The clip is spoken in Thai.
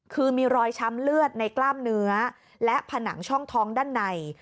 คือมีรอยช้ำเลือดในกล้ามเนื้อและผนังช่องท้องด้านใน